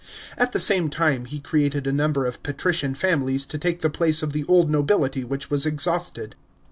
At the same time, he created a number of patrician families to take the place of the old nobility which was exhausted.